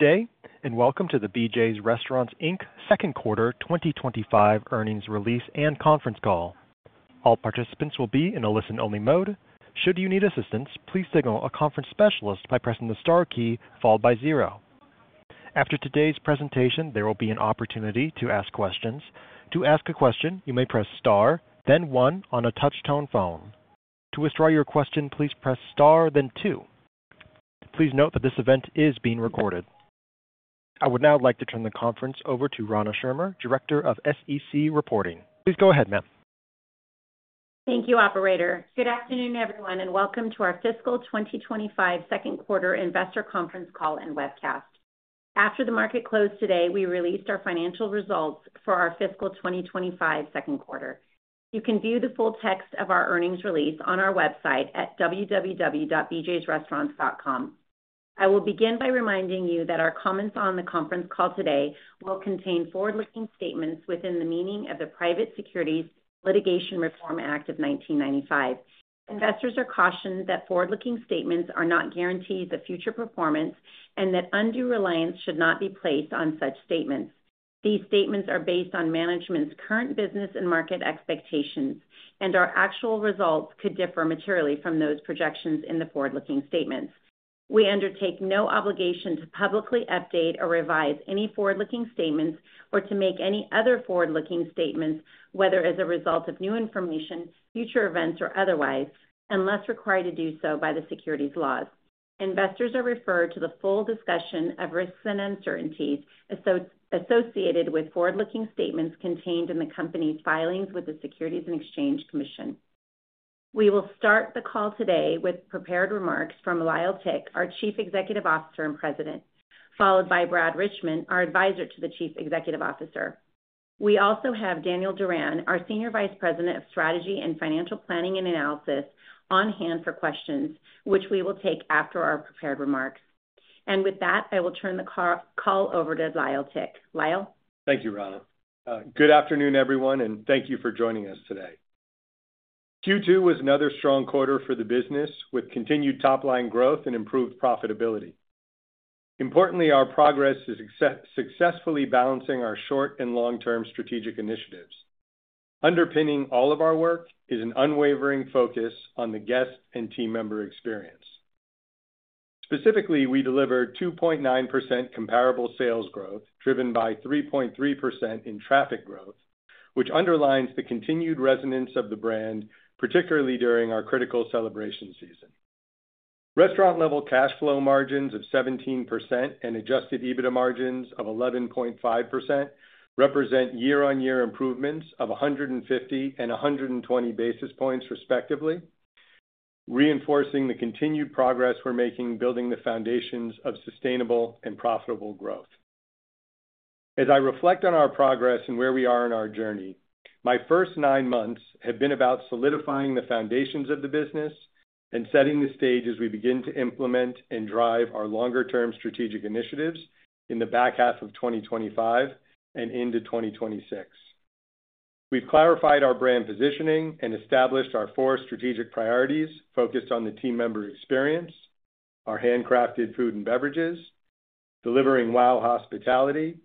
Hey, and welcome to the BJ's Restaurants, Inc Second Quarter 2025 Earnings Release and Conference Call. All participants will be in a listen-only mode. Should you need assistance, please signal a conference specialist by pressing the star key followed by zero. After today's presentation, there will be an opportunity to ask questions. To ask a question, you may press star, then one on a touch-tone phone. To withdraw your question, please press star, then two. Please note that this event is being recorded. I would now like to turn the conference over to Rana Schirmer, Director of SEC Reporting. Please go ahead, ma'am. Thank you, Operator. Good afternoon, everyone, and welcome to our fiscal 2025 Second Quarter Investor Conference Call and Webcast. After the market closed today, we released our financial results for our fiscal 2025 Second Quarter. You can view the full text of our earnings release on our website at www.bjsrestaurants.com. I will begin by reminding you that our comments on the conference call today will contain forward-looking statements within the meaning of the Private Securities Litigation Reform Act of 1995. Investors are cautioned that forward-looking statements are not guaranteed future performance and that undue reliance should not be placed on such statements. These statements are based on management's current business and market expectations, and our actual results could differ materially from those projections in the forward-looking statements. We undertake no obligation to publicly update or revise any forward-looking statements or to make any other forward-looking statements, whether as a result of new information, future events, or otherwise, unless required to do so by the securities laws. Investors are referred to the full discussion of risks and uncertainties associated with forward-looking statements contained in the company's filings with the Securities and Exchange Commission. We will start the call today with prepared remarks from Lyle Tick, our Chief Executive Officer and President, followed by Brad Richmond, our Advisor to the Chief Executive Officer. We also have Daniel Duran, our Senior Vice President of Strategy and Financial Planning and Analysis, on hand for questions, which we will take after our prepared remarks. With that, I will turn the call over to Lyle Tick. Lyle? Thank you, Rana. Good afternoon, everyone, and thank you for joining us today. Q2 was another strong quarter for the business, with continued top-line growth and improved profitability. Importantly, our progress is successfully balancing our short and long-term strategic initiatives. Underpinning all of our work is an unwavering focus on the guest and team member experience. Specifically, we delivered 2.9% comparable restaurant sales growth, driven by 3.3% in traffic growth, which underlines the continued resonance of the brand, particularly during our critical celebration season. Restaurant-level cash flow margins of 17% and adjusted EBITDA margins of 11.5% represent year-on-year improvements of 150 and 120 basis points, respectively, reinforcing the continued progress we're making building the foundations of sustainable and profitable growth. As I reflect on our progress and where we are in our journey, my first nine months have been about solidifying the foundations of the business and setting the stage as we begin to implement and drive our longer-term strategic initiatives in the back half of 2025 and into 2026. We've clarified our brand positioning and established our four strategic priorities focused on the team member experience, our handcrafted food and beverages, delivering wow hospitality,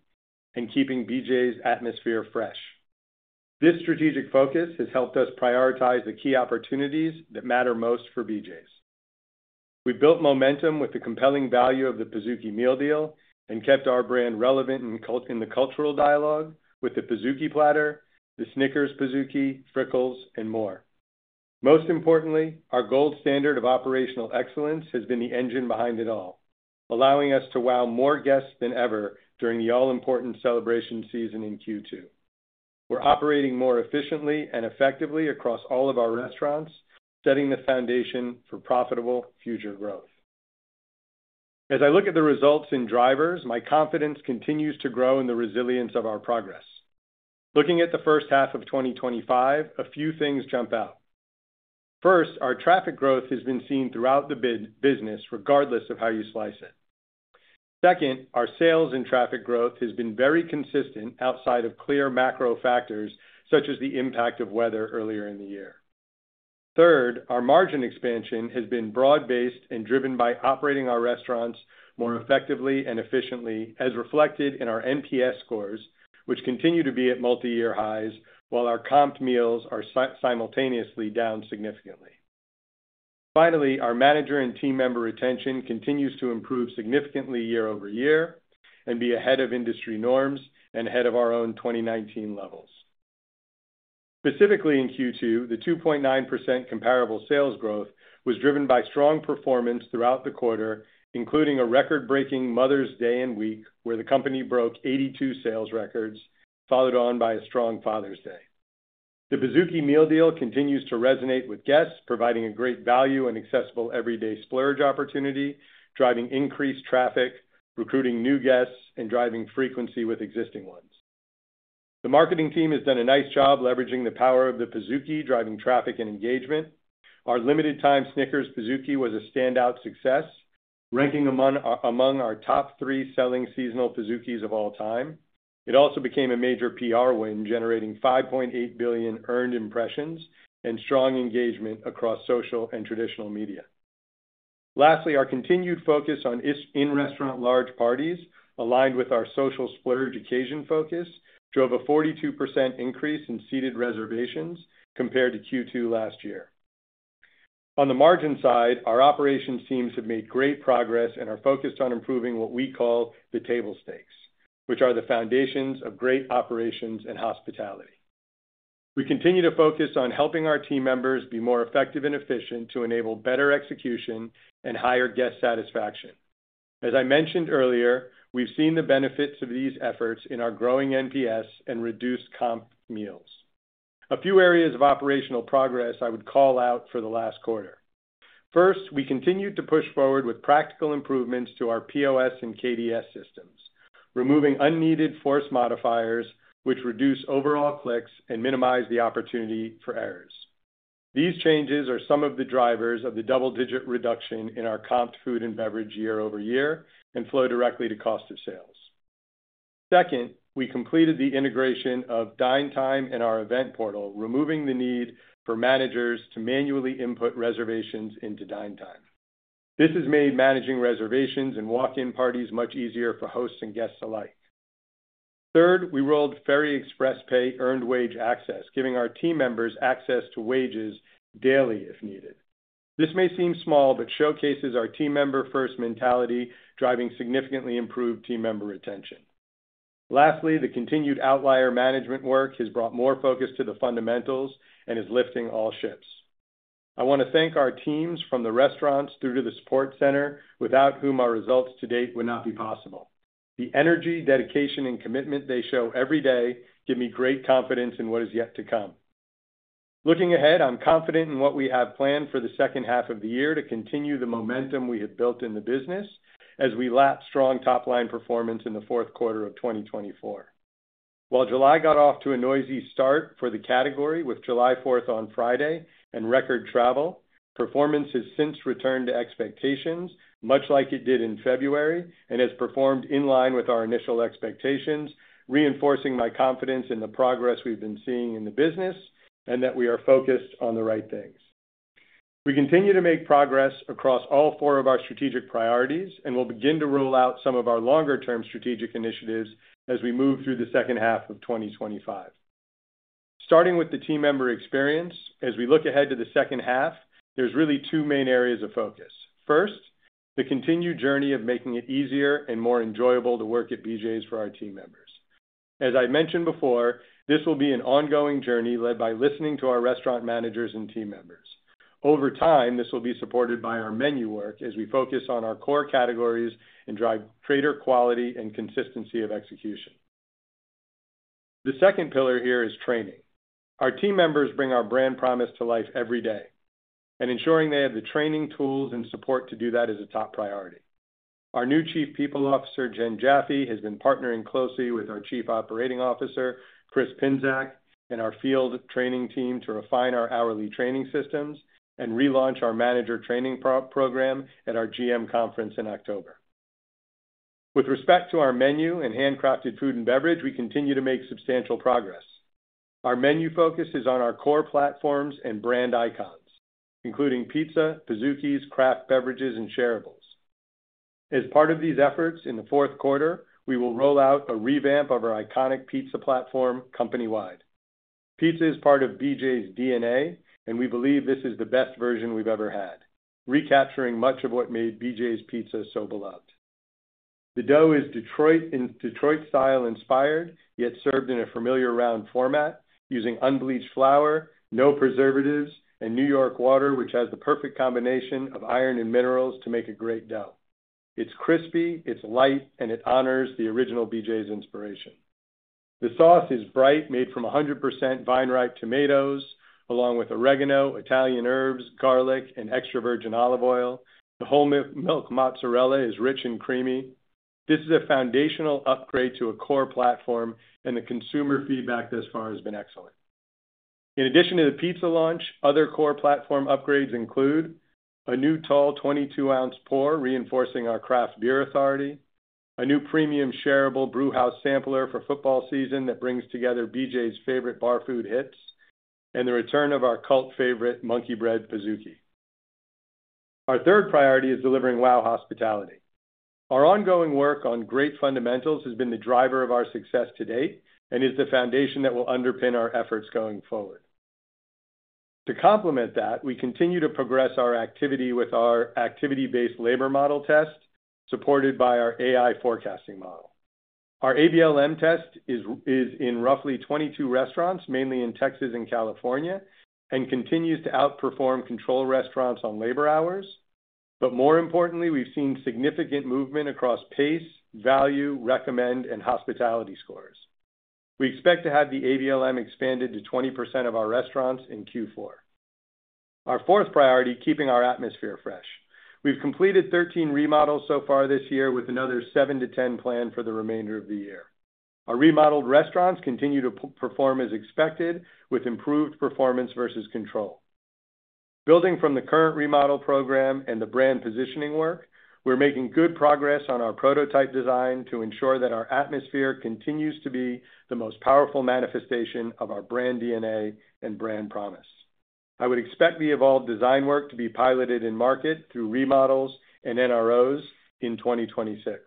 and keeping BJ's atmosphere fresh. This strategic focus has helped us prioritize the key opportunities that matter most for BJ's. We've built momentum with the compelling value of the Pizookie Meal Deal and kept our brand relevant in the cultural dialogue with the Pizookie Platter, the Snickers Pizookie, Fryckles, and more. Most importantly, our gold standard of operational excellence has been the engine behind it all, allowing us to wow more guests than ever during the all-important celebration season in Q2. We're operating more efficiently and effectively across all of our restaurants, setting the foundation for profitable future growth. As I look at the results and drivers, my confidence continues to grow in the resilience of our progress. Looking at the first half of 2025, a few things jump out. First, our traffic growth has been seen throughout the business, regardless of how you slice it. Second, our sales and traffic growth has been very consistent outside of clear macro factors, such as the impact of weather earlier in the year. Third, our margin expansion has been broad-based and driven by operating our restaurants more effectively and efficiently, as reflected in our NPS scores, which continue to be at multi-year highs, while our comp meals are simultaneously down significantly. Finally, our manager and team member retention continues to improve significantly year-over-year and be ahead of industry norms and ahead of our own 2019 levels. Specifically, in Q2, the 2.9% comparable sales growth was driven by strong performance throughout the quarter, including a record-breaking Mother's Day and week, where the company broke 82 sales records, followed on by a strong Father's Day. The Pizookie Meal Deal continues to resonate with guests, providing a great value and accessible everyday splurge opportunity, driving increased traffic, recruiting new guests, and driving frequency with existing ones. The marketing team has done a nice job leveraging the power of the Pizookie, driving traffic and engagement. Our limited-time Snickers Pizookie was a standout success, ranking among our top three selling seasonal Pizookies of all time. It also became a major PR win, generating 5.8 billion earned impressions and strong engagement across social and traditional media. Lastly, our continued focus on in-restaurant large parties, aligned with our social splurge occasion focus, drove a 42% increase in seated reservations compared to Q2 last year. On the margin side, our operations teams have made great progress and are focused on improving what we call the table stakes, which are the foundations of great operations and hospitality. We continue to focus on helping our team members be more effective and efficient to enable better execution and higher guest satisfaction. As I mentioned earlier, we've seen the benefits of these efforts in our growing NPS and reduced comp meals. A few areas of operational progress I would call out for the last quarter. First, we continued to push forward with practical improvements to our POS and KDS systems, removing unneeded force modifiers, which reduce overall clicks and minimize the opportunity for errors. These changes are some of the drivers of the double-digit reduction in our comped food and beverage year-over-year and flow directly to cost of sales. Second, we completed the integration of DineTime and our event portal, removing the need for managers to manually input reservations into DineTime. This has made managing reservations and walk-in parties much easier for hosts and guests alike. Third, we rolled out Ferry Express Pay earned wage access, giving our team members access to wages daily if needed. This may seem small, but showcases our team member-first mentality, driving significantly improved team member retention. Lastly, the continued outlier management work has brought more focus to the fundamentals and is lifting all ships. I want to thank our teams from the restaurants through to the support center, without whom our results to date would not be possible. The energy, dedication, and commitment they show every day give me great confidence in what is yet to come. Looking ahead, I'm confident in what we have planned for the second half of the year to continue the momentum we have built in the business as we lap strong top-line performance in the fourth quarter of 2024. While July got off to a noisy start for the category, with July 4th on Friday and record travel, performance has since returned to expectations, much like it did in February, and has performed in line with our initial expectations, reinforcing my confidence in the progress we've been seeing in the business and that we are focused on the right things. We continue to make progress across all four of our strategic priorities, and we'll begin to roll out some of our longer-term strategic initiatives as we move through the second half of 2025. Starting with the team member experience, as we look ahead to the second half, there's really two main areas of focus. First, the continued journey of making it easier and more enjoyable to work at BJ's for our team members. As I mentioned before, this will be an ongoing journey led by listening to our restaurant managers and team members. Over time, this will be supported by our menu work as we focus on our core categories and drive greater quality and consistency of execution. The second pillar here is training. Our team members bring our brand promise to life every day, and ensuring they have the training tools and support to do that is a top priority. Our new Chief People Officer, Jen Jaffe, has been partnering closely with our Chief Operating Officer, Chris Pinsak, in our field training team to refine our hourly training systems and relaunch our manager training program at our GM conference in October. With respect to our menu and handcrafted food and beverage, we continue to make substantial progress. Our menu focus is on our core platforms and brand icons, including pizza, Pizookies, craft beverages, and shareables. As part of these efforts in the fourth quarter, we will roll out a revamp of our iconic pizza platform company-wide. Pizza is part of BJ's DNA, and we believe this is the best version we've ever had, recapturing much of what made BJ's pizza so beloved. The dough is Detroit-style inspired, yet served in a familiar round format, using unbleached flour, no preservatives, and New York water, which has the perfect combination of iron and minerals to make a great dough. It's crispy, it's light, and it honors the original BJ's inspiration. The sauce is bright, made from 100% vine-ripe tomatoes, along with oregano, Italian herbs, garlic, and extra virgin olive oil. The whole milk mozzarella is rich and creamy. This is a foundational upgrade to a core platform, and the consumer feedback thus far has been excellent. In addition to the pizza launch, other core platform upgrades include a new tall 22-ounce pour, reinforcing our craft beer authority, a new premium shareable Brewhouse sampler for football season that brings together BJ's favorite bar food hits, and the return of our cult favorite Monkey Bread Pizookie. Our third priority is delivering wow hospitality. Our ongoing work on great fundamentals has been the driver of our success to date and is the foundation that will underpin our efforts going forward. To complement that, we continue to progress our activity with our activity-based labor model test, supported by our AI forecasting model. Our ABLM test is in roughly 22 restaurants, mainly in Texas and California, and continues to outperform control restaurants on labor hours. More importantly, we've seen significant movement across pace, value, recommend, and hospitality scores. We expect to have the ABLM expanded to 20% of our restaurants in Q4. Our fourth priority, keeping our atmosphere fresh. We've completed 13 remodels so far this year, with another 7-10 planned for the remainder of the year. Our remodeled restaurants continue to perform as expected, with improved performance versus control. Building from the current remodel program and the brand positioning work, we're making good progress on our prototype design to ensure that our atmosphere continues to be the most powerful manifestation of our brand DNA and brand promise. I would expect the evolved design work to be piloted in market through remodels and NROs in 2026.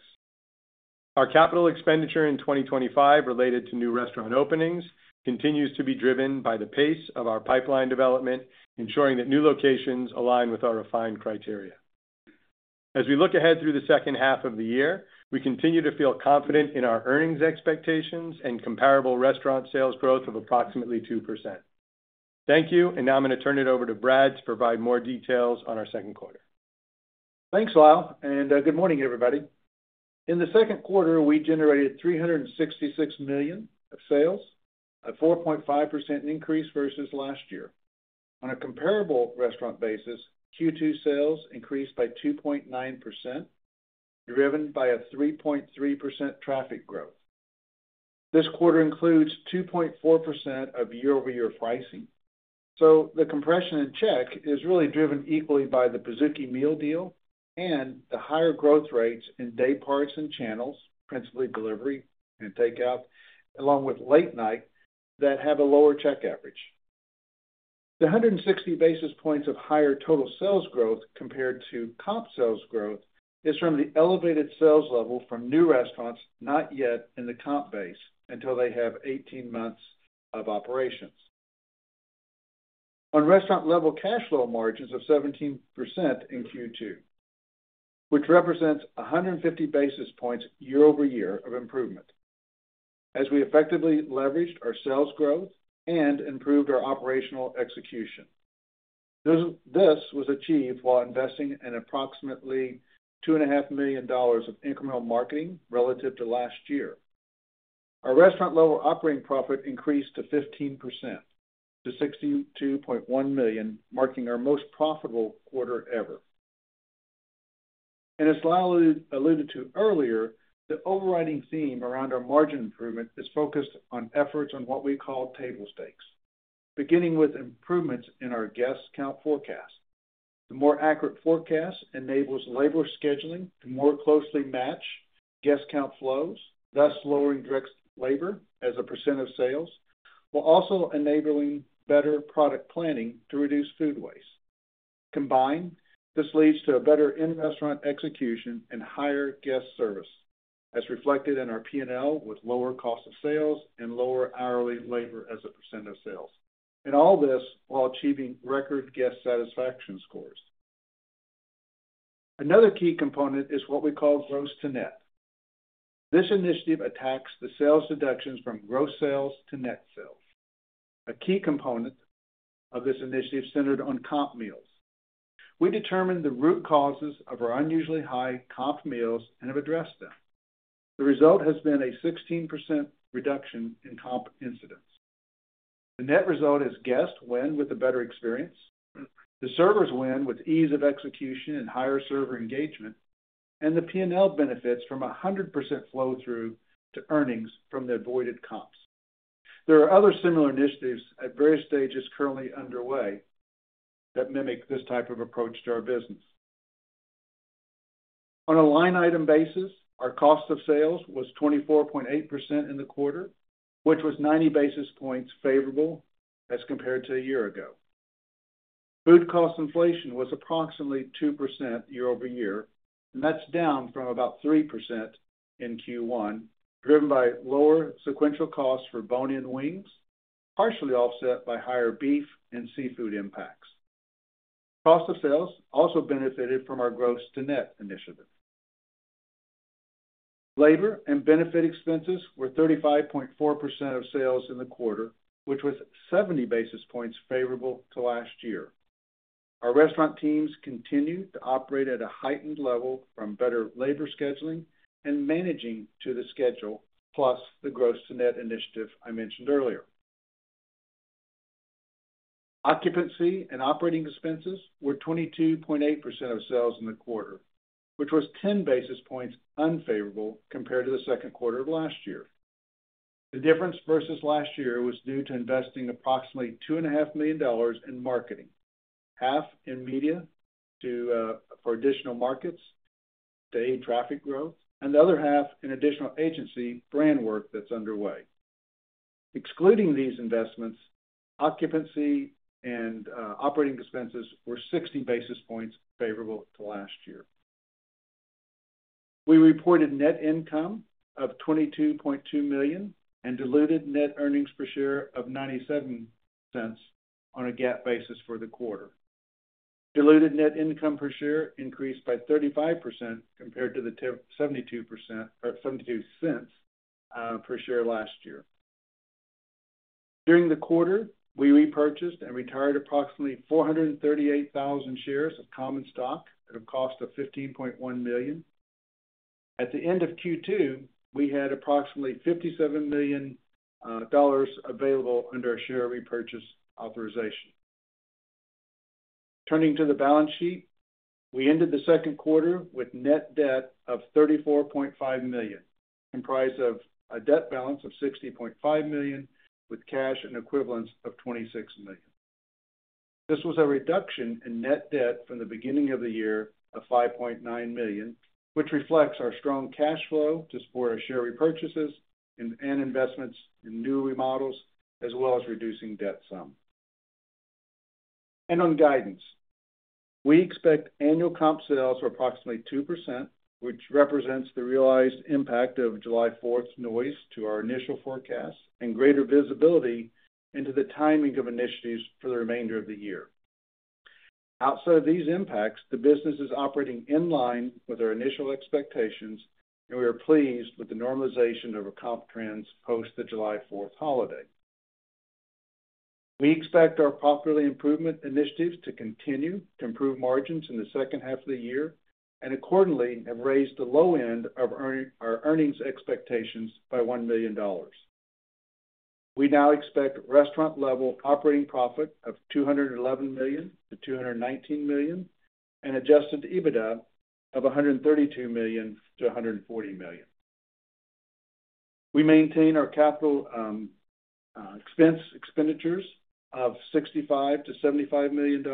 Our capital expenditure in 2025, related to new restaurant openings, continues to be driven by the pace of our pipeline development, ensuring that new locations align with our refined criteria. As we look ahead through the second half of the year, we continue to feel confident in our earnings expectations and comparable restaurant sales growth of approximately 2%. Thank you, and now I'm going to turn it over to Brad to provide more details on our second quarter. Thanks, Lyle, and good morning, everybody. In the second quarter, we generated $366 million of sales, a 4.5% increase versus last year. On a comparable restaurant basis, Q2 sales increased by 2.9%, driven by a 3.3% traffic growth. This quarter includes 2.4% of year-over-year pricing. The compression in check is really driven equally by the Pizookie Meal Deal and the higher growth rates in day parts and channels, principally delivery and takeout, along with late night, that have a lower check average. The 160 basis points of higher total sales growth compared to comp sales growth is from the elevated sales level from new restaurants not yet in the comp base until they have 18 months of operations. On restaurant-level cash flow margins of 17% in Q2, which represents 150 basis points year-over-year of improvement, we effectively leveraged our sales growth and improved our operational execution. This was achieved while investing in approximately $2.5 million of incremental marketing relative to last year. Our restaurant-level operating profit increased to 15% to $62.1 million, marking our most profitable quarter ever. As Lyle alluded to earlier, the overriding theme around our margin improvement is focused on efforts on what we call table stakes, beginning with improvements in our guest count forecast. The more accurate forecast enables labor scheduling to more closely match guest count flows, thus lowering direct labor as a percent of sales, while also enabling better product planning to reduce food waste. Combined, this leads to a better in-restaurant execution and higher guest service, as reflected in our P&L with lower cost of sales and lower hourly labor as a percent of sales, all while achieving record guest satisfaction scores. Another key component is what we call gross to net. This initiative attacks the sales deductions from gross sales to net sales. A key component of this initiative centered on comp meals. We determined the root causes of our unusually high comp meals and have addressed them. The result has been a 16% reduction in comp incidents. The net result is guests win with a better experience, the servers win with ease of execution and higher server engagement, and the P&L benefits from 100% flow-through to earnings from the avoided comps. There are other similar initiatives at various stages currently underway that mimic this type of approach to our business. On a line item basis, our cost of sales was 24.8% in the quarter, which was 90 basis points favorable as compared to a year ago. Food cost inflation was approximately 2% year-over-year, and that's down from about 3% in Q1, driven by lower sequential costs for bone-in wings, partially offset by higher beef and seafood impacts. Cost of sales also benefited from our gross to net initiative. Labor and benefit expenses were 35.4% of sales in the quarter, which was 70 basis points favorable to last year. Our restaurant teams continue to operate at a heightened level from better labor scheduling and managing to the schedule, plus the gross to net initiative I mentioned earlier. Occupancy and operating expenses were 22.8% of sales in the quarter, which was 10 basis points unfavorable compared to the second quarter of last year. The difference versus last year was due to investing approximately $2.5 million in marketing, half in media for additional markets, day traffic growth, and the other half in additional agency brand work that's underway. Excluding these investments, occupancy and operating expenses were 60 basis points favorable to last year. We reported net income of $22.2 million and diluted net earnings per share of $0.97 on a GAAP basis for the quarter. Diluted net income per share increased by 35% compared to the $0.72 per share last year. During the quarter, we repurchased and retired approximately 438,000 shares of common stock at a cost of $15.1 million. At the end of Q2, we had approximately $57 million available under a share repurchase authorization. Turning to the balance sheet, we ended the second quarter with net debt of $34.5 million, comprised of a debt balance of $60.5 million with cash and equivalents of $26 million. This was a reduction in net debt from the beginning of the year of $5.9 million, which reflects our strong cash flow to support our share repurchases and investments in new remodels, as well as reducing debt sum. On guidance, we expect annual comp sales are approximately 2%, which represents the realized impact of July 4th's noise to our initial forecast and greater visibility into the timing of initiatives for the remainder of the year. Outside of these impacts, the business is operating in line with our initial expectations, and we are pleased with the normalization of our comp trends post the July 4th holiday. We expect our property improvement initiatives to continue to improve margins in the second half of the year and accordingly have raised the low end of our earnings expectations by $1 million. We now expect restaurant-level operating profit of $211 million-$219 million and adjusted EBITDA of $132 million-$140 million. We maintain our capital expenditures of $65 million-$75 million.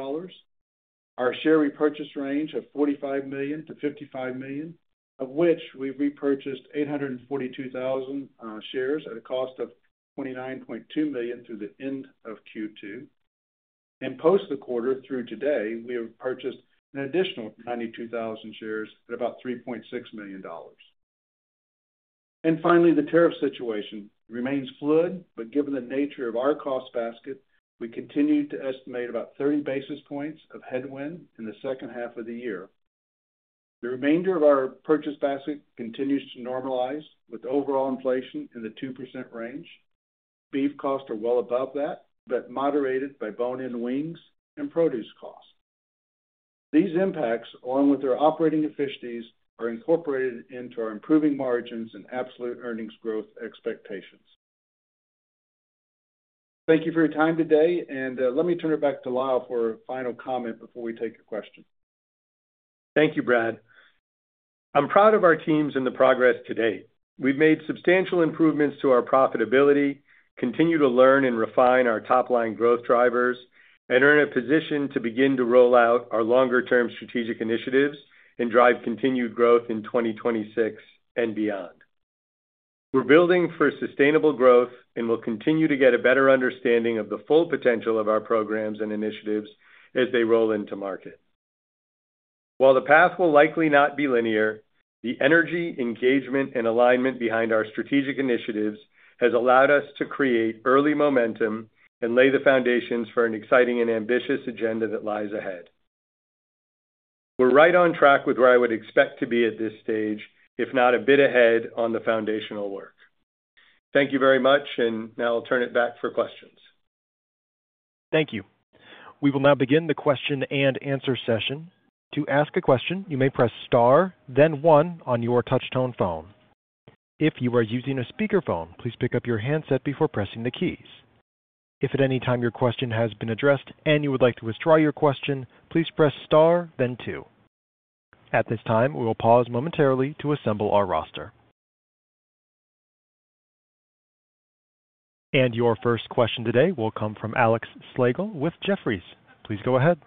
Our share repurchase range is $45 million-$55 million, of which we repurchased 842,000 shares at a cost of $29.2 million through the end of Q2. Post the quarter through today, we have purchased an additional 92,000 shares at about $3.6 million. Finally, the tariff situation remains fluid, but given the nature of our cost basket, we continue to estimate about 30 basis points of headwind in the second half of the year. The remainder of our purchase basket continues to normalize with overall inflation in the 2% range. Beef costs are well above that, but moderated by bone-in wings and produce costs. These impacts, along with their operating efficiencies, are incorporated into our improving margins and absolute earnings growth expectations. Thank you for your time today, and let me turn it back to Lyle for a final comment before we take your question. Thank you, Brad. I'm proud of our teams and the progress to date. We've made substantial improvements to our profitability, continue to learn and refine our top-line growth drivers, and are in a position to begin to roll out our longer-term strategic initiatives and drive continued growth in 2026 and beyond. We're building for sustainable growth and will continue to get a better understanding of the full potential of our programs and initiatives as they roll into market. While the path will likely not be linear, the energy, engagement, and alignment behind our strategic initiatives has allowed us to create early momentum and lay the foundations for an exciting and ambitious agenda that lies ahead. We're right on track with where I would expect to be at this stage, if not a bit ahead on the foundational work. Thank you very much, and now I'll turn it back for questions. Thank you. We will now begin the question and answer session. To ask a question, you may press star, then one on your touch-tone phone. If you are using a speakerphone, please pick up your handset before pressing the keys. If at any time your question has been addressed and you would like to withdraw your question, please press star, then two. At this time, we will pause momentarily to assemble our roster. Your first question today will come from Alex Slagle with Jefferies. Please go ahead.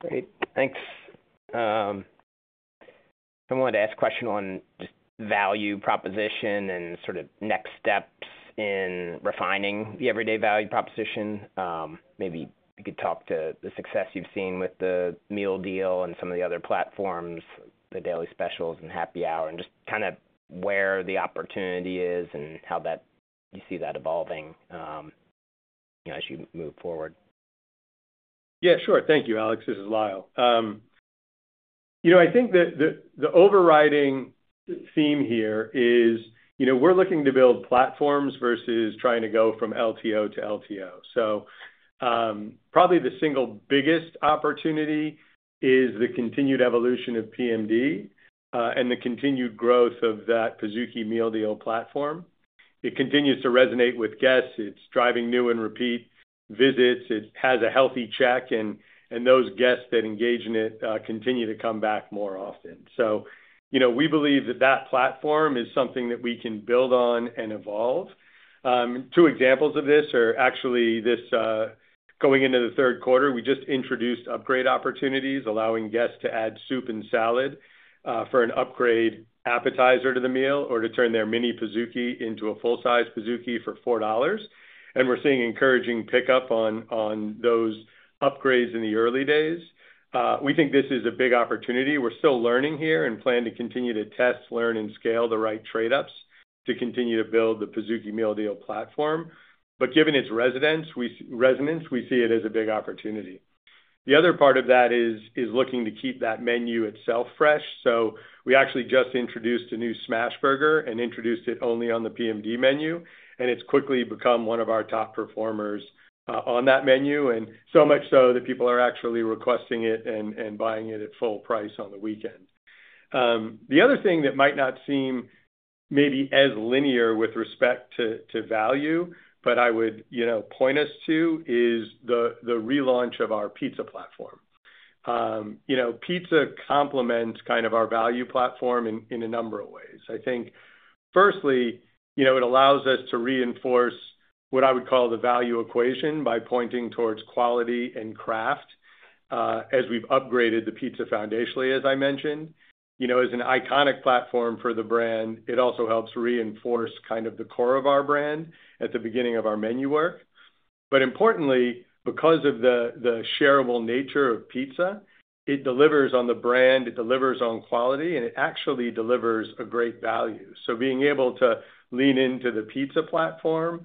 Great, thanks. I wanted to ask a question on just value proposition and sort of next steps in refining the everyday value proposition. Maybe you could talk to the success you've seen with the meal deal and some of the other platforms, the daily specials and happy hour, and just kind of where the opportunity is and how you see that evolving as you move forward. Yeah, sure. Thank you, Alex. This is Lyle. I think that the overriding theme here is we're looking to build platforms versus trying to go from LTO to LTO. Probably the single biggest opportunity is the continued evolution of PMD and the continued growth of that Pizookie Meal Deal platform. It continues to resonate with guests. It's driving new and repeat visits. It has a healthy check, and those guests that engage in it continue to come back more often. We believe that that platform is something that we can build on and evolve. Two examples of this are actually this, going into the third quarter, we just introduced upgrade opportunities, allowing guests to add soup and salad for an upgrade appetizer to the meal or to turn their Mini Pizookie into a full-size Pizookie for $4. We're seeing encouraging pickup on those upgrades in the early days. We think this is a big opportunity. We're still learning here and plan to continue to test, learn, and scale the right trade-offs to continue to build the Pizookie Meal Deal platform. Given its resonance, we see it as a big opportunity. The other part of that is looking to keep that menu itself fresh. We actually just introduced a new Smash Burger and introduced it only on the PMD menu. It's quickly become one of our top performers on that menu, and so much so that people are actually requesting it and buying it at full price on the weekend. The other thing that might not seem maybe as linear with respect to value, but I would point us to is the relaunch of our pizza platform. Pizza complements kind of our value platform in a number of ways. I think firstly, it allows us to reinforce what I would call the value equation by pointing towards quality and craft. As we've upgraded the pizza foundationally, as I mentioned, as an iconic platform for the brand, it also helps reinforce kind of the core of our brand at the beginning of our menu work. Importantly, because of the shareable nature of pizza, it delivers on the brand, it delivers on quality, and it actually delivers a great value. Being able to lean into the pizza platform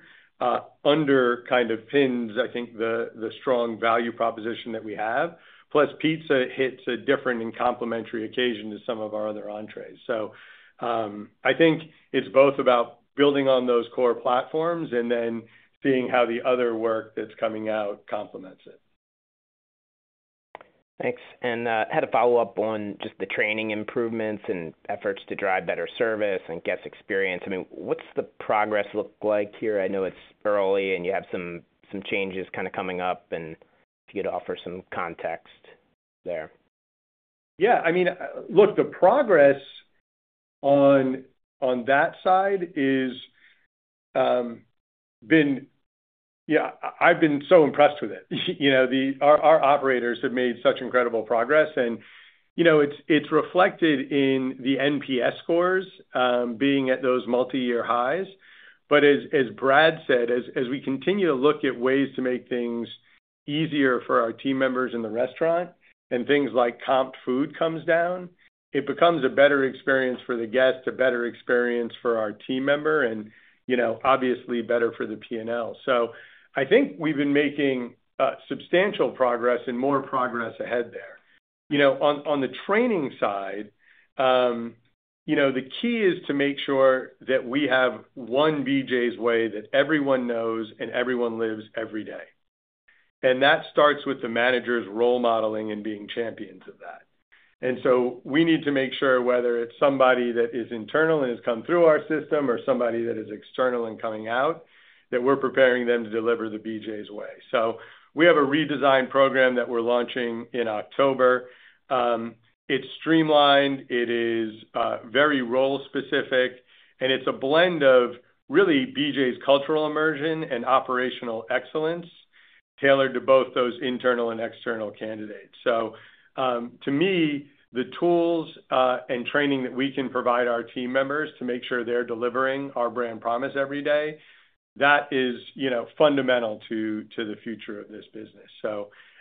under kind of pins I think the strong value proposition that we have, plus pizza hits a different and complementary occasion to some of our other entrees. I think it's both about building on those core platforms and then seeing how the other work that's coming out complements it. Thanks. I had a follow-up on just the training improvements and efforts to drive better service and guest experience. What's the progress look like here? I know it's early and you have some changes coming up, and if you could offer some context there. Yeah, I mean, look, the progress on that side has been, you know, I've been so impressed with it. Our operators have made such incredible progress and it's reflected in the NPS scores being at those multi-year highs. As Brad said, as we continue to look at ways to make things easier for our team members in the restaurant and things like comp food come down, it becomes a better experience for the guests, a better experience for our team member, and obviously better for the P&L. I think we've been making substantial progress and more progress ahead there. On the training side, the key is to make sure that we have one BJ's way that everyone knows and everyone lives every day. That starts with the managers' role modeling and being champions of that. We need to make sure whether it's somebody that is internal and has come through our system or somebody that is external and coming out, that we're preparing them to deliver the BJ's way. We have a redesigned program that we're launching in October. It's streamlined, it is very role-specific, and it's a blend of really BJ's cultural immersion and operational excellence tailored to both those internal and external candidates. To me, the tools and training that we can provide our team members to make sure they're delivering our brand promise every day, that is fundamental to the future of this business.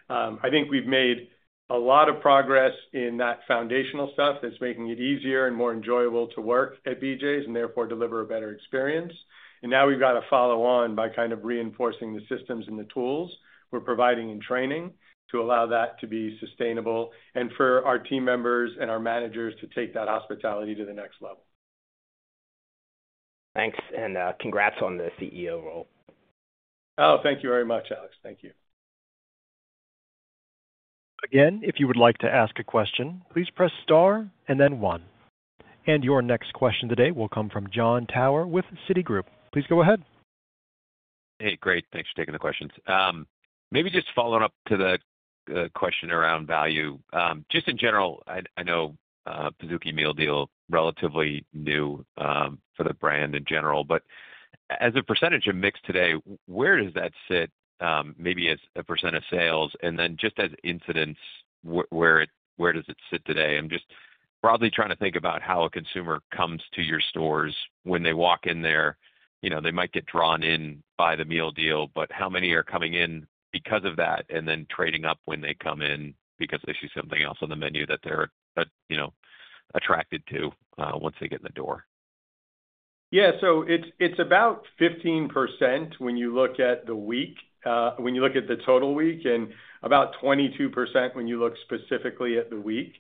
I think we've made a lot of progress in that foundational stuff that's making it easier and more enjoyable to work at BJ's and therefore deliver a better experience. Now we've got to follow on by kind of reinforcing the systems and the tools, we're providing training, to allow that to be sustainable and for our team members and our managers to take that hospitality to the next level. Thanks, and congrats on the CEO role. Oh, thank you very much, Alex. Thank you. Again, if you would like to ask a question, please press star and then one. Your next question today will come from Jon Tower with Citigroup. Please go ahead. Hey, great. Thanks for taking the questions. Maybe just following up to the question around value. Just in general, I know Pizookie Meal Deal is relatively new for the brand in general, but as a percentage of mix today, where does that sit? Maybe as a percent of sales and then just as incidence, where does it sit today? I'm just broadly trying to think about how a consumer comes to your stores. When they walk in there, you know, they might get drawn in by the meal deal, but how many are coming in because of that and then trading up when they come in because they see something else on the menu that they're, you know, attracted to once they get in the door? Yeah, so it's about 15% when you look at the week, when you look at the total week, and about 22% when you look specifically at the week.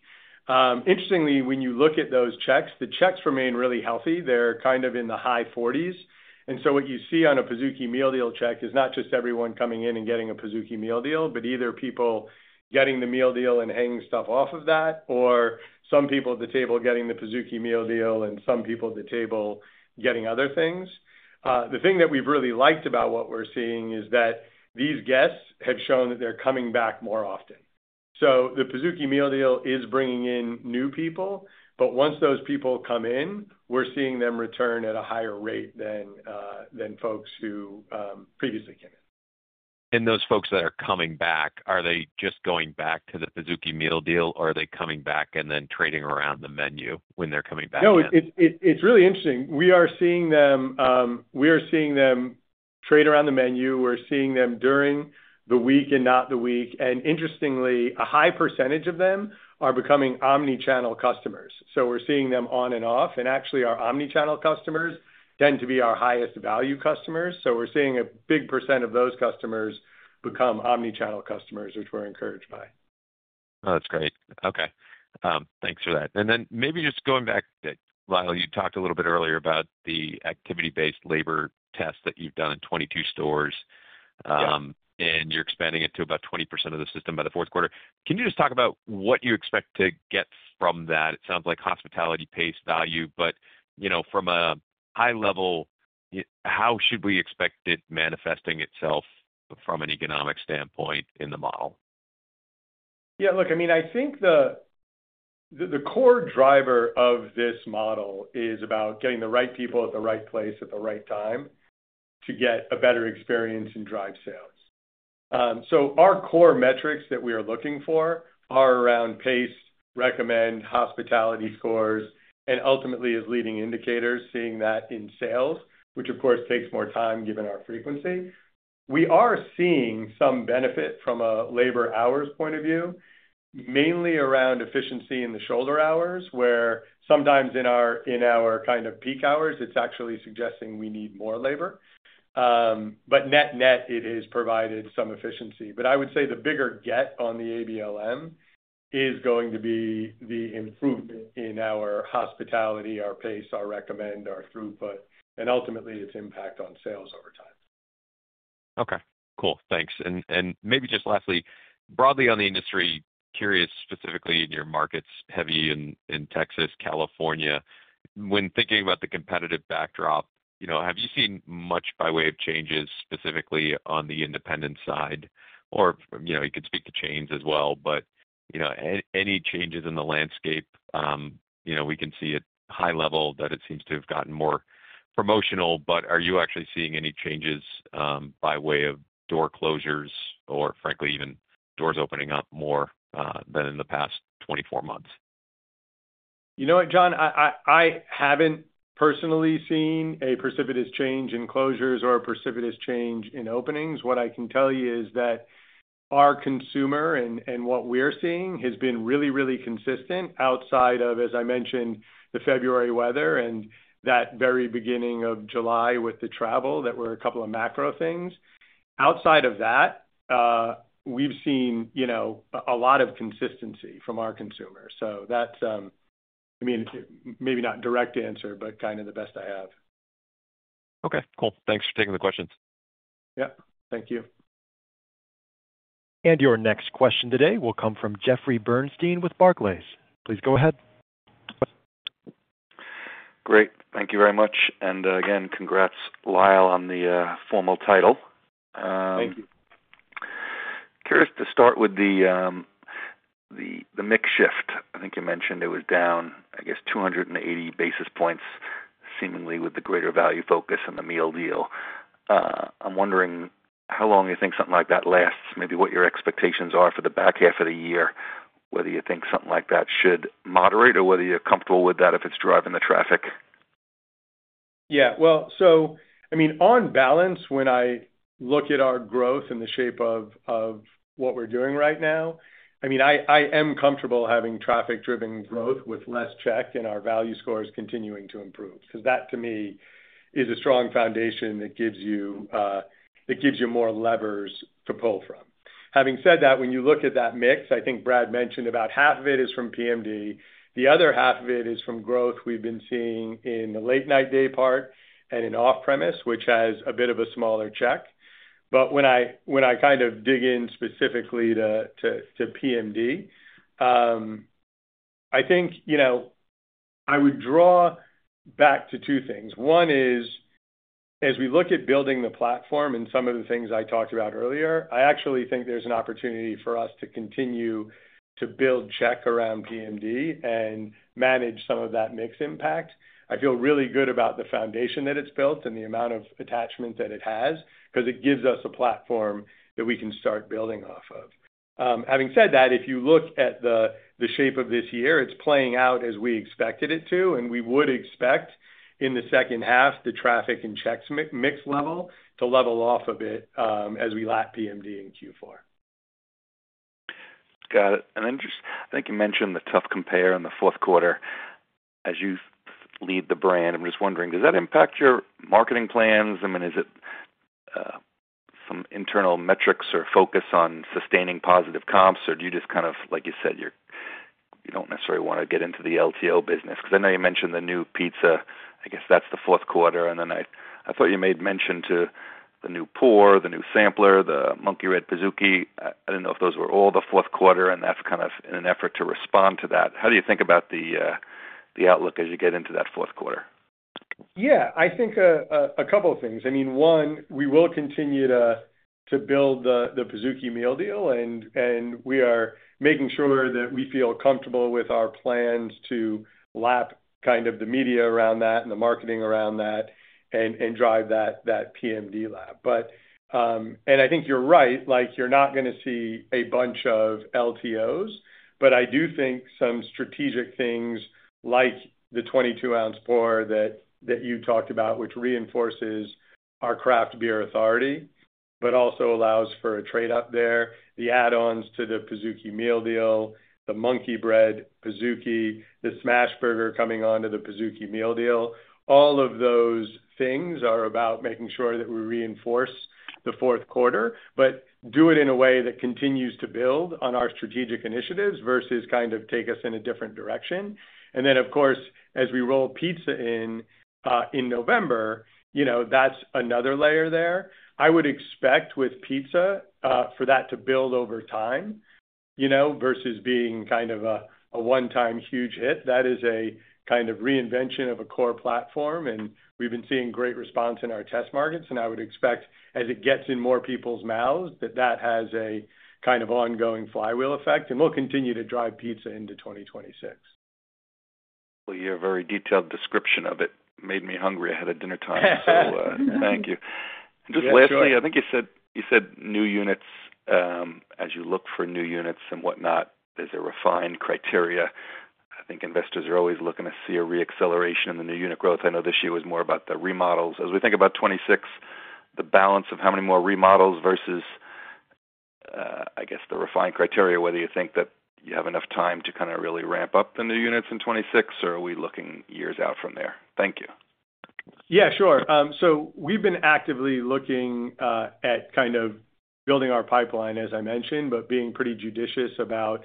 Interestingly, when you look at those checks, the checks remain really healthy. They're kind of in the high 40s. What you see on a Pizookie Meal Deal check is not just everyone coming in and getting a Pizookie Meal Deal, but either people getting the meal deal and hanging stuff off of that, or some people at the table getting the Pizookie Meal Deal and some people at the table getting other things. The thing that we've really liked about what we're seeing is that these guests have shown that they're coming back more often. The Pizookie Meal Deal is bringing in new people, but once those people come in, we're seeing them return at a higher rate than folks who previously came in. Those folks that are coming back, are they just going back to the Pizookie Meal Deal, or are they coming back and then trading around the menu when they're coming back? No, it's really interesting. We are seeing them trade around the menu. We're seeing them during the week and not the week. Interestingly, a high percentage of them are becoming omnichannel customers. We're seeing them on and off. Actually, our omnichannel customers tend to be our highest value customers. We're seeing a big percent of those customers become omnichannel customers, which we're encouraged by. Oh, that's great. Okay. Thanks for that. Maybe just going back to, Lyle you talked a little bit earlier about the activity-based labor test that you've done in 22 stores, and you're expanding it to about 20% of the system by the fourth quarter. Can you just talk about what you expect to get from that? It sounds like hospitality-based value, but you know, from a high level, how should we expect it manifesting itself from an economic standpoint in the model? Yeah, look, I mean, I think the core driver of this model is about getting the right people at the right place at the right time to get a better experience and drive sales. Our core metrics that we are looking for are around pace, recommend hospitality scores, and ultimately as leading indicators, seeing that in sales, which of course takes more time given our frequency. We are seeing some benefit from a labor hours point of view, mainly around efficiency in the shoulder hours, where sometimes in our kind of peak hours, it's actually suggesting we need more labor. Net-net, it has provided some efficiency. I would say the bigger get on the ABLM is going to be the improvement in our hospitality, our pace, our recommend, our throughput, and ultimately its impact on sales over time. Okay, cool. Thanks. Maybe just lastly, broadly on the industry, curious specifically in your markets, heavy in Texas, California, when thinking about the competitive backdrop, have you seen much by way of changes specifically on the independent side? You could speak to chains as well, but any changes in the landscape? We can see at a high level that it seems to have gotten more promotional, but are you actually seeing any changes by way of door closures or frankly even doors opening up more than in the past 24 months? You know what, Jon, I haven't personally seen a precipitous change in closures or a precipitous change in openings. What I can tell you is that our consumer and what we're seeing has been really, really consistent outside of, as I mentioned, the February weather and that very beginning of July with the travel that were a couple of macro things. Outside of that, we've seen a lot of consistency from our consumers. That's, I mean, maybe not a direct answer, but kind of the best I have. Okay, cool. Thanks for taking the questions. Thank you. Your next question today will come from Jeffrey Bernstein with Barclays. Please go ahead. Great. Thank you very much. Again, congrats, Lyle, on the formal title. Thank you. Curious to start with the mix shift. I think you mentioned it was down, I guess, 280 basis points, seemingly with the greater value focus and the meal deal. I'm wondering how long you think something like that lasts, maybe what your expectations are for the back half of the year, whether you think something like that should moderate or whether you're comfortable with that if it's driving the traffic. Yeah, I mean, on balance, when I look at our growth and the shape of what we're doing right now, I am comfortable having traffic-driven growth with less check and our value scores continuing to improve. That, to me, is a strong foundation that gives you more levers to pull from. Having said that, when you look at that mix, I think Brad mentioned about half of it is from PMD. The other half is from growth we've been seeing in the late night day part and in off-premise, which has a bit of a smaller check. When I dig in specifically to PMD, I would draw back to two things. One is, as we look at building the platform and some of the things I talked about earlier, I actually think there's an opportunity for us to continue to build check around PMD and manage some of that mix impact. I feel really good about the foundation that it's built and the amount of attachment that it has, because it gives us a platform that we can start building off of. Having said that, if you look at the shape of this year, it's playing out as we expected it to, and we would expect in the second half the traffic and checks mix level to level off a bit as we lap PMD in Q4. Got it. I think you mentioned the tough compare in the fourth quarter. As you lead the brand, I'm just wondering, does that impact your marketing plans? Is it some internal metrics or focus on sustaining positive comps, or do you just kind of, like you said, you don't necessarily want to get into the LTO business? I know you mentioned the new pizza, I guess that's the fourth quarter, and then I thought you made mention to the new pour, the new sampler, the Monkey Bread Pizookie. I didn't know if those were all the fourth quarter, and that's kind of in an effort to respond to that. How do you think about the outlook as you get into that fourth quarter? Yeah, I think a couple of things. I mean, one, we will continue to build the Pizookie Meal Deal, and we are making sure that we feel comfortable with our plans to lap kind of the media around that and the marketing around that and drive that PMD lap. I think you're right, like you're not going to see a bunch of LTOs, but I do think some strategic things like the 22-ounce pour that you talked about, which reinforces our craft beer authority, but also allows for a trade-up there, the add-ons to the Pizookie Meal Deal, the Monkey Bread Pizookie, the Smash Burger coming onto the Pizookie Meal Deal. All of those things are about making sure that we reinforce the fourth quarter, but do it in a way that continues to build on our strategic initiatives versus kind of take us in a different direction. Of course, as we roll pizza in in November, you know, that's another layer there. I would expect with pizza for that to build over time, you know, versus being kind of a one-time huge hit. That is a kind of reinvention of a core platform, and we've been seeing great response in our test markets, and I would expect as it gets in more people's mouths that that has a kind of ongoing flywheel effect and will continue to drive pizza into 2026. Your very detailed description of it made me hungry ahead of dinner time, so thank you. Just lastly, I think you said new units, as you look for new units and whatnot, there's a refined criteria. I think investors are always looking to see a reacceleration in the new unit growth. I know this year was more about the remodels. As we think about 2026, the balance of how many more remodels versus, I guess, the refined criteria, whether you think that you have enough time to kind of really ramp up the new units in 2026, or are we looking years out from there? Thank you. Yeah, sure. We've been actively looking at kind of building our pipeline, as I mentioned, but being pretty judicious about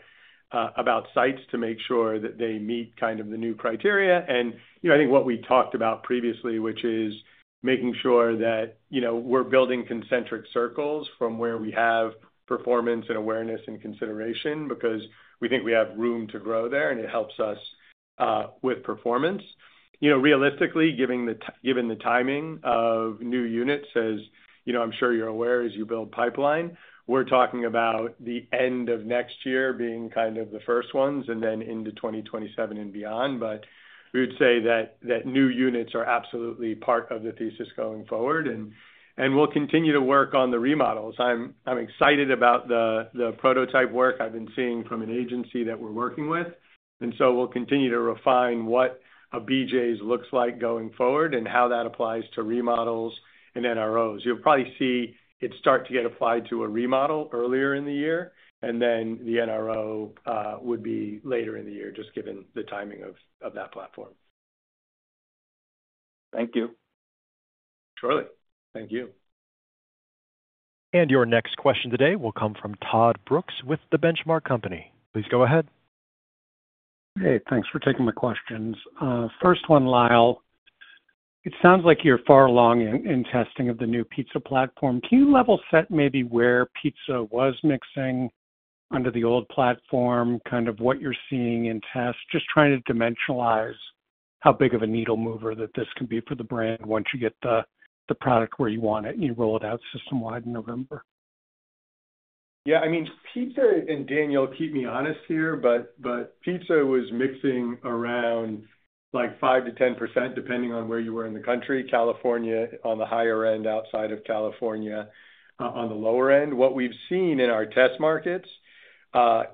sites to make sure that they meet kind of the new criteria. I think what we talked about previously, which is making sure that we're building concentric circles from where we have performance and awareness and consideration because we think we have room to grow there, and it helps us with performance. Realistically, given the timing of new units, as you know, I'm sure you're aware, as you build pipeline, we're talking about the end of next year being kind of the first ones and then into 2027 and beyond. We would say that new units are absolutely part of the thesis going forward, and we'll continue to work on the remodels. I'm excited about the prototype work I've been seeing from an agency that we're working with. We'll continue to refine what a BJ's looks like going forward and how that applies to remodels and NROs. You'll probably see it start to get applied to a remodel earlier in the year, and then the NRO would be later in the year, just given the timing of that platform. Thank you. Surely. Thank you. Your next question today will come from Todd Brooks with The Benchmark Company. Please go ahead. Hey, thanks for taking the questions. First one, Lyle. It sounds like you're far along in testing of the new pizza platform. Can you level set maybe where pizza was mixing under the old platform, kind of what you're seeing in tests, just trying to dimensionalize how big of a needle mover that this can be for the brand once you get the product where you want it and you roll it out system-wide in November? Yeah, I mean, pizza, and Daniel, keep me honest here, but pizza was mixing around 5% to 10% depending on where you were in the country, California on the higher end, outside of California on the lower end. What we've seen in our test markets,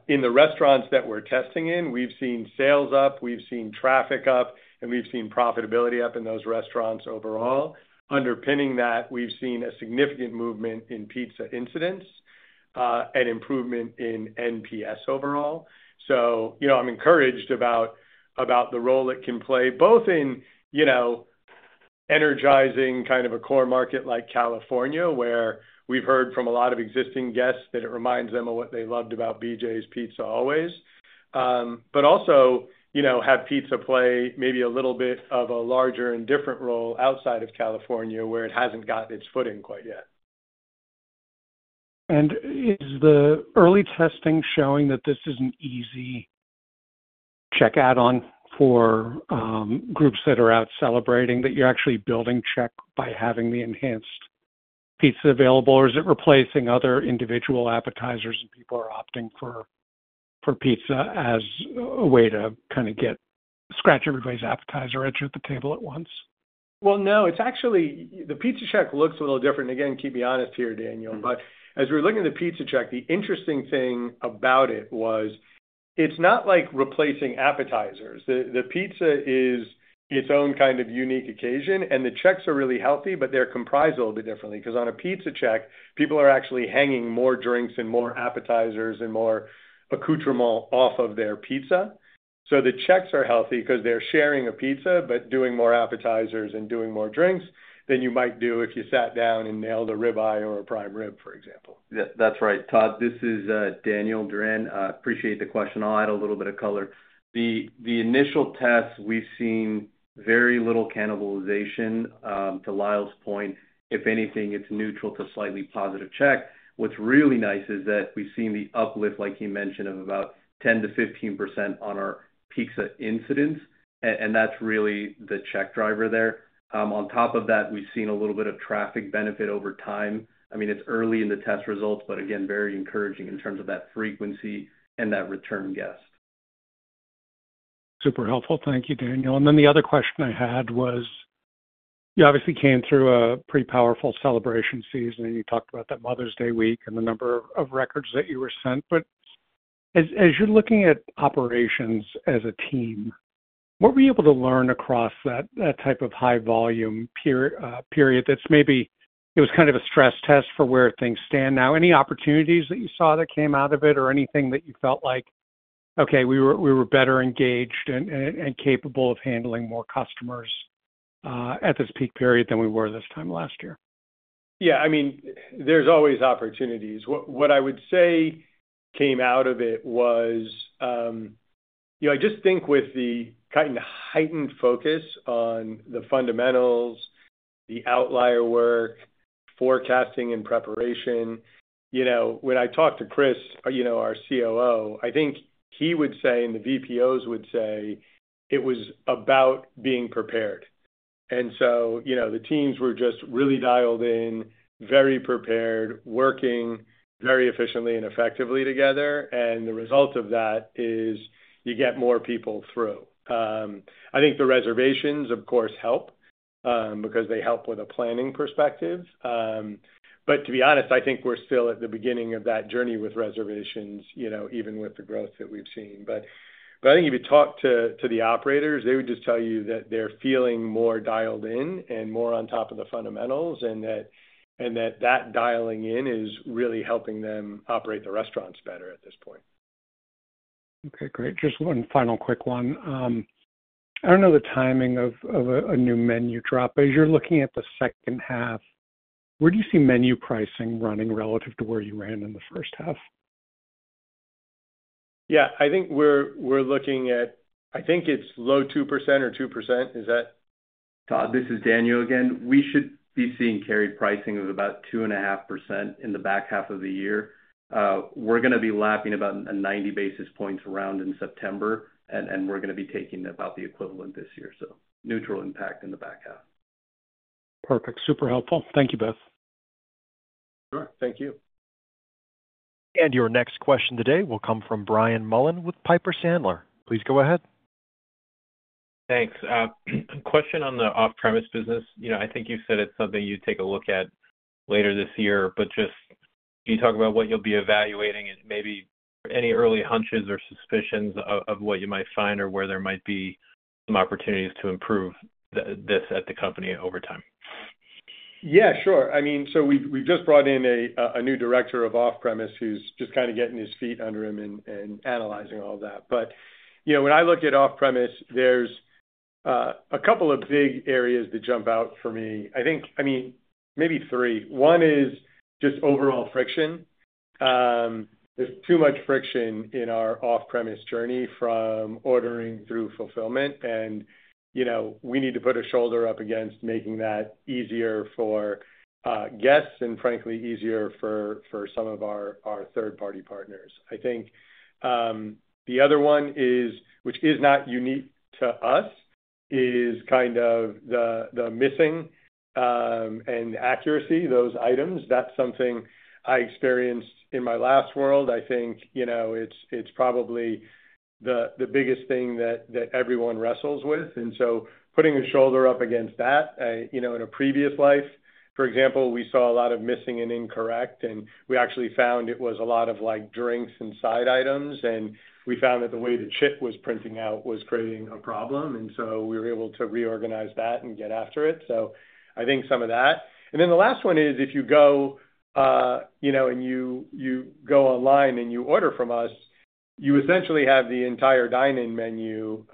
in the restaurants that we're testing in, we've seen sales up, we've seen traffic up, and we've seen profitability up in those restaurants overall. Underpinning that, we've seen a significant movement in pizza incidents and improvement in NPS overall. I'm encouraged about the role it can play both in energizing kind of a core market like California, where we've heard from a lot of existing guests that it reminds them of what they loved about BJ's Pizza Always. Also, you know, have pizza play maybe a little bit of a larger and different role outside of California, where it hasn't gotten its footing quite yet. Is the early testing showing that this is an easy check add-on for groups that are out celebrating, that you're actually building check by having the enhanced pizza available, or is it replacing other individual appetizers and people are opting for pizza as a way to kind of scratch everybody's appetizer itch at the table at once? No, it's actually, the pizza check looks a little different. Again, keep me honest here, Daniel, but as we're looking at the pizza check, the interesting thing about it was it's not like replacing appetizers. The pizza is its own kind of unique occasion, and the checks are really healthy, but they're comprised a little bit differently because on a pizza check, people are actually hanging more drinks and more appetizers and more accoutrement off of their pizza. The checks are healthy because they're sharing a pizza, but doing more appetizers and doing more drinks than you might do if you sat down and nailed a ribeye or a prime rib, for example. Yeah. That's right. Todd, this is Daniel Duran. I appreciate the question. I'll add a little bit of color. The initial tests, we've seen very little cannibalization to Lyle's point. If anything, it's neutral to slightly positive check. What's really nice is that we've seen the uplift, like he mentioned, of about 10%-15% on our pizza incidents, and that's really the check driver there. On top of that, we've seen a little bit of traffic benefit over time. I mean, it's early in the test results, but again, very encouraging in terms of that frequency and that return guest. Super helpful. Thank you, Daniel. The other question I had was, you obviously came through a pretty powerful celebration season, and you talked about that Mother's Day week and the number of records that you were sent. As you're looking at operations as a team, what were you able to learn across that type of high-volume period that's maybe, it was kind of a stress test for where things stand now? Any opportunities that you saw that came out of it or anything that you felt like, okay, we were better engaged and capable of handling more customers at this peak period than we were this time last year? Yeah, I mean, there's always opportunities. What I would say came out of it was, you know, I just think with the kind of heightened focus on the fundamentals, the outlier work, forecasting, and preparation. You know, when I talked to Chris, you know, our COO, I think he would say, and the VPOs would say, it was about being prepared. The teams were just really dialed in, very prepared, working very efficiently and effectively together. The result of that is you get more people through. I think the reservations, of course, help because they help with a planning perspective. To be honest, I think we're still at the beginning of that journey with reservations, you know, even with the growth that we've seen. If you talk to the operators, they would just tell you that they're feeling more dialed-in and more on top of the fundamentals and that that dialing in is really helping them operate the restaurants better at this point. Okay, great. Just one final quick one. I don't know the timing of a new menu drop. As you're looking at the second half, where do you see menu pricing running relative to where you ran in the first half? Yeah, I think we're looking at, I think it's low 2% or 2%. Is that? Todd, this is Daniel again. We should be seeing carry pricing of about 2.5% in the back half of the year. We're going to be lapping about a 90 basis points round in September, and we're going to be taking about the equivalent this year. Neutral impact in the back half. Perfect. Super helpful. Thank you both. Sure, thank you. Your next question today will come from Brian Mullan with Piper Sandler. Please go ahead. Thanks. A question on the off-premise business. I think you said it's something you take a look at later this year, but just can you talk about what you'll be evaluating and maybe any early hunches or suspicions of what you might find or where there might be some opportunities to improve this at the company over time? Yeah, sure. We've just brought in a new Director of Off-Premise who's just kind of getting his feet under him and analyzing all of that. When I look at off-premise, there's a couple of big areas that jump out for me. I think, maybe three. One is just overall friction. There's too much friction in our off-premise journey from ordering through fulfillment, and we need to put a shoulder up against making that easier for guests and frankly easier for some of our third-party partners. The other one, which is not unique to us, is kind of the missing and accuracy, those items. That's something I experienced in my last world. It's probably the biggest thing that everyone wrestles with. Putting a shoulder up against that, in a previous life, for example, we saw a lot of missing and incorrect, and we actually found it was a lot of drinks and side items. We found that the way the chit was printing out was creating a problem, and we were able to reorganize that and get after it. The last one is if you go online and you order from us, you essentially have the entire dining menu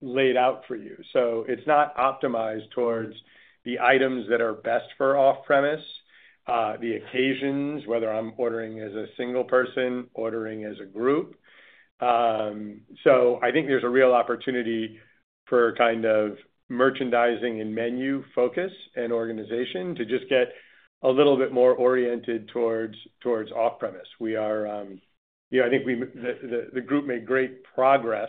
laid out for you. It's not optimized towards the items that are best for off-premise, the occasions, whether I'm ordering as a single person or ordering as a group. There's a real opportunity for merchandising and menu-focus and organization to just get a little bit more oriented towards off-premise. The group made great progress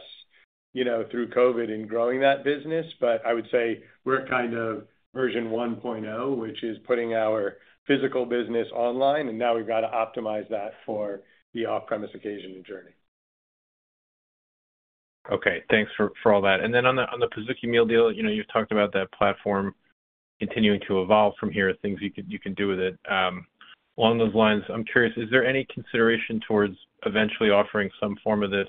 through COVID in growing that business, but I would say we're kind of version 1.0, which is putting our physical business online, and now we've got to optimize that for the off-premise occasion and journey. Okay, thanks for all that. On the Pizookie Meal Deal, you've talked about that platform continuing to evolve from here, things you can do with it. Along those lines, I'm curious, is there any consideration towards eventually offering some form of this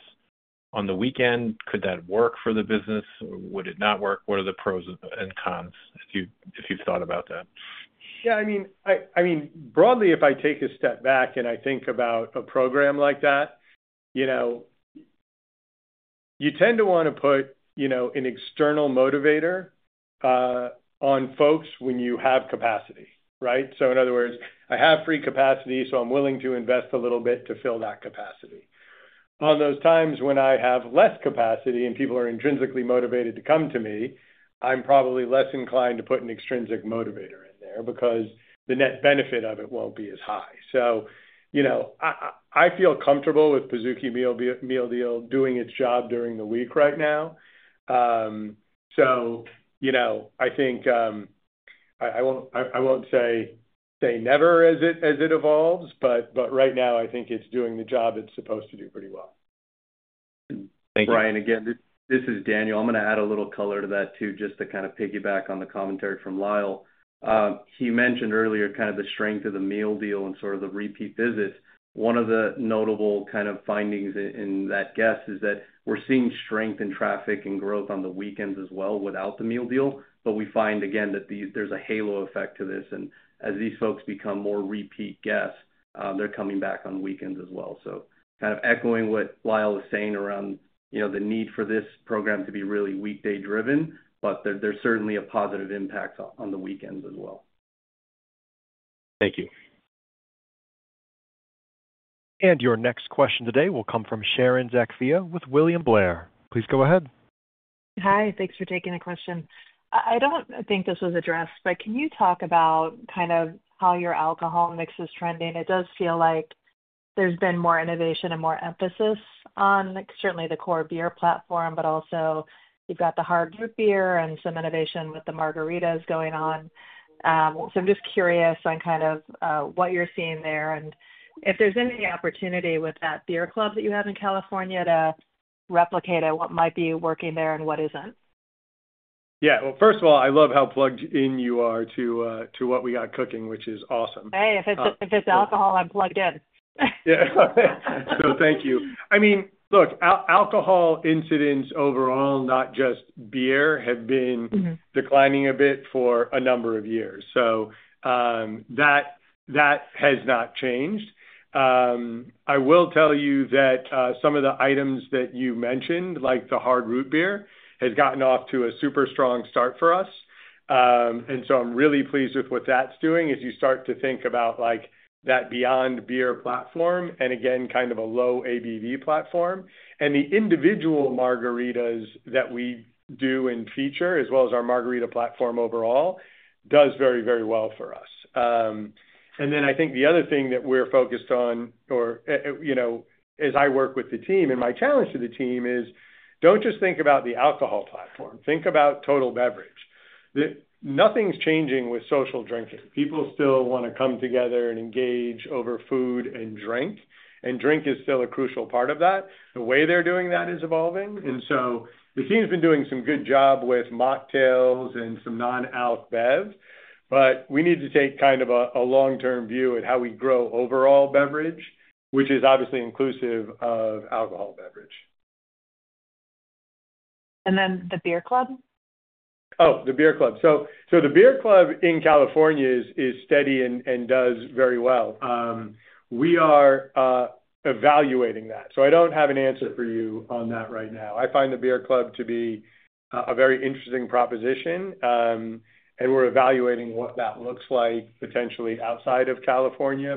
on the weekend? Could that work for the business? Would it not work? What are the pros and cons if you've thought about that? Yeah, I mean, broadly, if I take a step back and I think about a program like that, you tend to want to put an external motivator on folks when you have capacity, right? In other words, I have free capacity, so I'm willing to invest a little bit to fill that capacity. At those times when I have less capacity and people are intrinsically motivated to come to me, I'm probably less inclined to put an extrinsic motivator in there because the net benefit of it won't be as high. I feel comfortable with Pizookie Meal Deal doing its job during the week right now. I think I won't say never as it evolves, but right now I think it's doing the job it's supposed to do pretty well. Thank you, Brian. Again, this is Daniel. I'm going to add a little color to that too, just to kind of piggyback on the commentary from Lyle. He mentioned earlier the strength of the meal deal and sort of the repeat business. One of the notable findings in that guess is that we're seeing strength in traffic and growth on the weekends as well without the meal deal. We find again that there's a halo effect to this. As these folks become more repeat guests, they're coming back on weekends as well. Kind of echoing what Lyle was saying around the need for this program to be really weekday driven, there's certainly a positive impact on the weekends as well. Thank you. Your next question today will come from Sharon Zackfia with William Blair. Please go ahead. Hi, thanks for taking the question. I don't think this was addressed, but can you talk about kind of how your alcohol mix is trending? It does feel like there's been more innovation and more emphasis on certainly the core beer platform, but also you've got the hard group beer and some innovation with the margaritas going on. I'm just curious on kind of what you're seeing there and if there's any opportunity with that beer club that you have in California to replicate what might be working there and what isn't. Yeah, first of all, I love how plugged in you are to what we got cooking, which is awesome. Hey, if it's alcohol, I'm plugged in. Thank you. I mean, look, alcohol incidents overall, not just beer, have been declining a bit for a number of years. That has not changed. I will tell you that some of the items that you mentioned, like the hard root beer, have gotten off to a super strong start for us. I'm really pleased with what that's doing as you start to think about that beyond beer platform and, again, kind of a low ABV platform. The individual margaritas that we do and feature, as well as our margarita platform overall, does very, very well for us. I think the other thing that we're focused on, or as I work with the team and my challenge to the team, is don't just think about the alcohol platform. Think about total beverage. Nothing's changing with social drinking. People still want to come together and engage over food and drink, and drink is still a crucial part of that. The way they're doing that is evolving. The team's been doing some good job with mocktails and some non-alc bevs, but we need to take kind of a long-term view at how we grow overall beverage, which is obviously inclusive of alcohol beverage. And then the beer club? The beer club in California is steady and does very well. We are evaluating that. I don't have an answer for you on that right now. I find the beer club to be a very interesting proposition, and we're evaluating what that looks like potentially outside of California.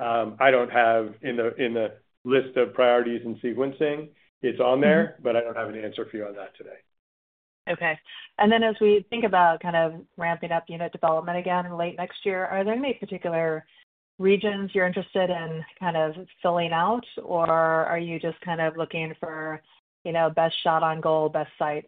I don't have in the list of priorities and sequencing, it's on there, but I don't have an answer for you on that today. As we think about kind of ramping up unit development again in late next year, are there any particular regions you're interested in kind of filling out, or are you just kind of looking for, you know, best shot on goal, best site?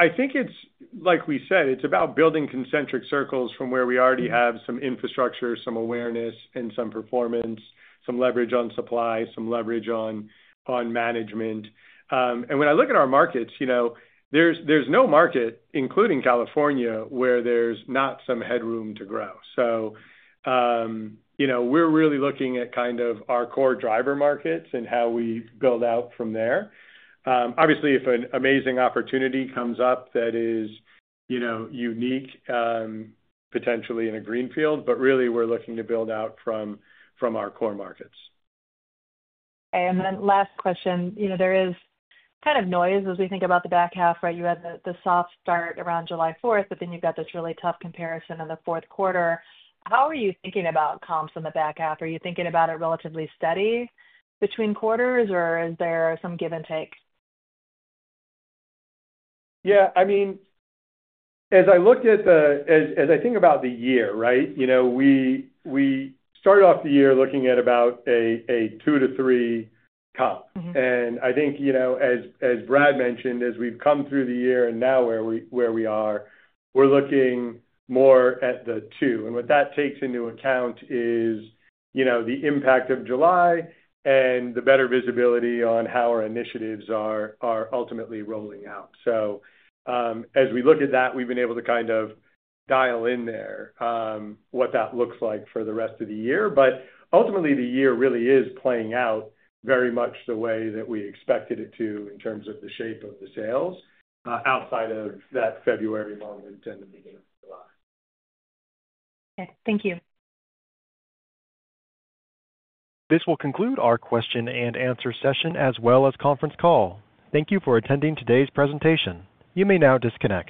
I think it's, like we said, it's about building concentric circles from where we already have some infrastructure, some awareness, some performance, some leverage on supply, some leverage on management. When I look at our markets, there's no market, including California, where there's not some headroom to grow. We're really looking at our core driver markets and how we build out from there. Obviously, if an amazing opportunity comes up that is unique, potentially in a greenfield, we're looking to build out from our core markets. There is kind of noise as we think about the back half, right? You had the soft start around July 4th, but then you've got this really tough comparison in the fourth quarter. How are you thinking about comps on the back half? Are you thinking about it relatively steady between quarters, or is there some give and take? Yeah, I mean, as I looked at the, as I think about the year, right, you know, we started off the year looking at about a 2%-3% comp. I think, you know, as Brad mentioned, as we've come through the year and now where we are, we're looking more at the 2%. What that takes into account is, you know, the impact of July and the better visibility on how our initiatives are ultimately rolling out. As we look at that, we've been able to kind of dial in there, what that looks like for the rest of the year. Ultimately, the year really is playing out very much the way that we expected it to in terms of the shape of the sales, outside of that February moment and the beginning of July. Okay, thank you. This will conclude our question and answer session, as well as conference call. Thank you for attending today's presentation. You may now disconnect.